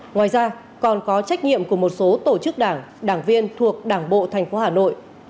ngoài ra còn có trách nhiệm của một số tổ chức đảng đảng viên thuộc đảng bộ thành phố hà nội